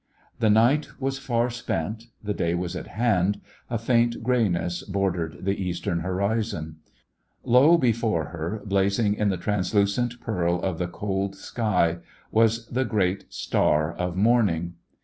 The night was far spent, the day was at hand, a faint grayness bor dered the eastern horizon. Low before her, blazing in the translucent pearl of the cold sky, was the great star of morning.